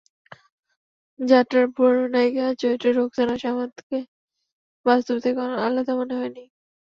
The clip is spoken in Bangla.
যাত্রার পুরোনো নায়িকা চরিত্রে রোকসানা সামাদকে বাস্তব থেকে আলাদা মনে হয়নি।